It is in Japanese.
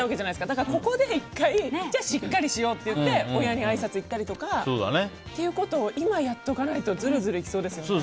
だからここで１回しっかりしようって親にあいさつ行ったりとかを今やっておかないとずるずるいきそうですよね。